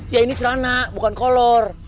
ya ini celana bukan kolor